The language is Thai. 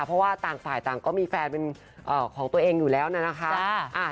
เพราะว่าต่างฝ่ายต่างก็มีแฟนเป็นของตัวเองอยู่แล้วนะคะ